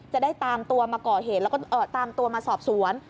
จะได้ตามตัวมาก่อเหตุแล้วก็ตามตัวมาสอบสวน